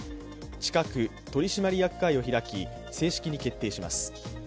近く取締役会を開き正式に決定します。